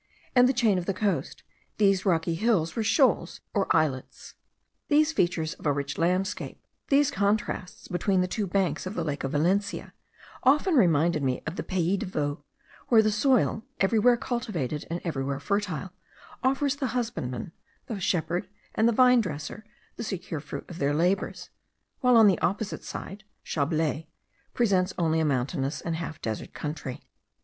and the chain of the coast, these rocky hills were shoals or islets. These features of a rich landscape, these contrasts between the two banks of the lake of Valencia, often reminded me of the Pays de Vaud, where the soil, everywhere cultivated, and everywhere fertile, offers the husbandman, the shepherd, and the vine dresser, the secure fruit of their labours, while, on the opposite side, Chablais presents only a mountainous and half desert country.